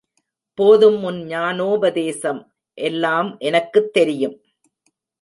போதும் உன் ஞானோபதேசம் எல்லாம் எனக்குத் தெரியும்.